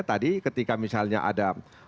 tadi ketika misalnya ada